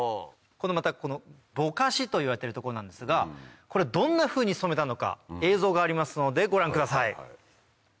このぼかしといわれてるとこなんですがこれどんなふうに染めたのか映像がありますのでご覧ください。